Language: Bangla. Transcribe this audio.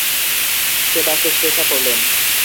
সেবা শুশ্রষা করলেন।